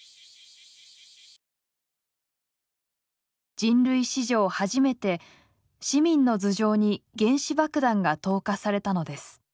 人類史上初めて市民の頭上に原子爆弾が投下されたのです。